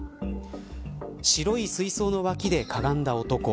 白い水槽の脇でかがんだ男。